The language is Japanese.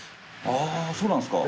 ああそうなんですか。